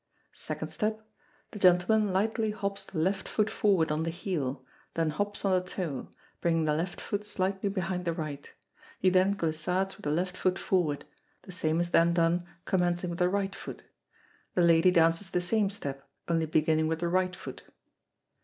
Second step. The gentleman lightly hops the left foot forward on the heel, then hops on the toe, bringing the left foot slightly behind the right. He then glissades with the left foot forward; the same is then done, commencing with the right foot. The lady dances the same step, only beginning with the right foot.